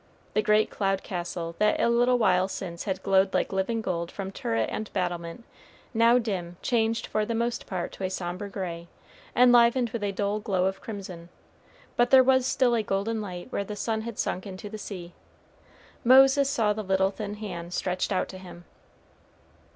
The great cloud castle that a little while since had glowed like living gold from turret and battlement, now dim, changed for the most part to a sombre gray, enlivened with a dull glow of crimson; but there was still a golden light where the sun had sunk into the sea. Moses saw the little thin hand stretched out to him.